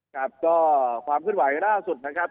ครับก็ความสุดหวัดใหญ่แล้วสุดนะครับ